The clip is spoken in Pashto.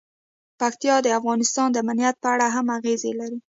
پکتیا د افغانستان د امنیت په اړه هم اغېز لري.